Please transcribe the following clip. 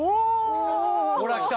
ほら来た。